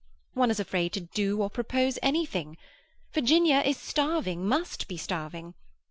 One is afraid to do or propose anything. Virginia is starving, must be starving.